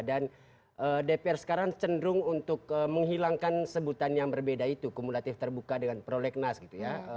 dan dpr sekarang cenderung untuk menghilangkan sebutan yang berbeda itu kumulatif terbuka dengan proyek nas gitu ya